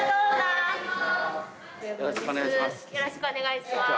・よろしくお願いします。